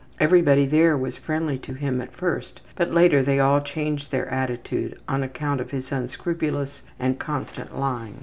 Everybody there was friendly to him at first, but later they all changed their attitude on account of his unscrupulous and constant lying.